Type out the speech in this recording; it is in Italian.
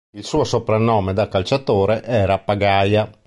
Il suo soprannome da calciatore era "Pagaia".